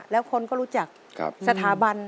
แล้วคนก็รู้จักสถาบัน